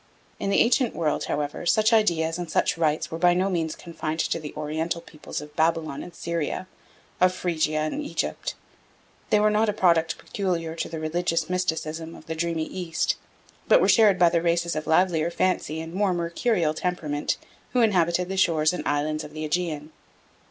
In the ancient world, however, such ideas and such rites were by no means confined to the Oriental peoples of Babylon and Syria, of Phrygia and Egypt; they were not a product peculiar to the religious mysticism of the dreamy East, but were shared by the races of livelier fancy and more mercurial temperament who inhabited the shores and islands of the Aegean.